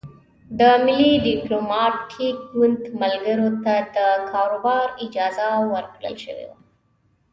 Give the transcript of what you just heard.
د ملي ډیموکراتیک ګوند ملګرو ته د کاروبار اجازه ورکړل شوې وه.